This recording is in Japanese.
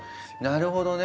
なるほどね。